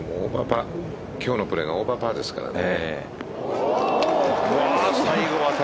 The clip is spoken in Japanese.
今日のプレーがオーバーパーですからね。